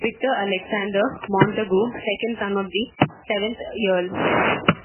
Victor Alexander Montagu, second son of the seventh Earl.